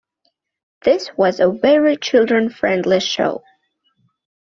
This was a very children-friendly show.